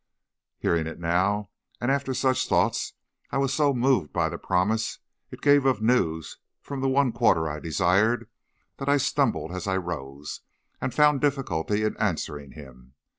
Hearing it now, and after such thoughts, I was so moved by the promise it gave of news from the one quarter I desired, that I stumbled as I rose, and found difficulty in answering him.